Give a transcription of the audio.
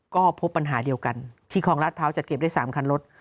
ก็พบปัญหาเดียวกันที่คลองราชพร้าวจัดเก็บได้๓คันรถ